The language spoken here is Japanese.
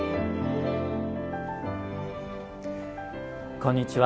こんにちは。